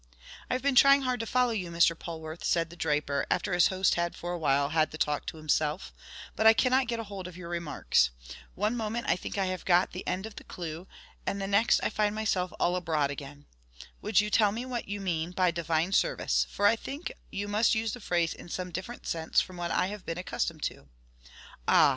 "I have been trying hard to follow you, Mr. Polwarth," said the draper, after his host had for a while had the talk to himself, "but I cannot get a hold of your remarks. One moment I think I have got the end of the clew, and the next find myself all abroad again. Would you tell me what you mean by divine service, for I think you must use the phrase in some different sense from what I have been accustomed to?" "Ah!